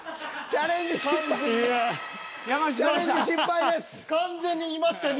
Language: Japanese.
チャレンジ失敗です。